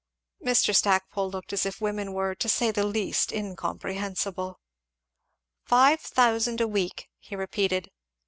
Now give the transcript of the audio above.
Mr. Stackpole looked as if women were to say the least incomprehensible. "Five thousand a week!" he repeated.